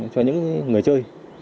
cho những người chơi